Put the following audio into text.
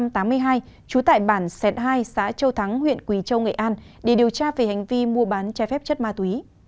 trú tại bản xẹt hai xã châu thắng huyện quỳ châu nghệ an để điều tra về hành vi mua bán trái phép chất ma túy